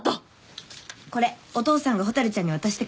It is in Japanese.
これお父さんが蛍ちゃんに渡してくれって。